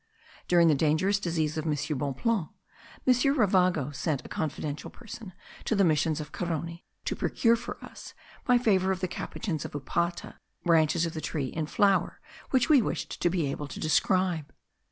During the dangerous disease of M. Bonpland, M. Ravago sent a confidential person to the missions of Carony, to procure for us, by favour of the Capuchins of Upata, branches of the tree in flower which we wished to be able to describe.